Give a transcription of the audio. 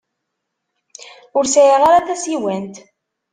Ur sɛiɣ ara tasiwant.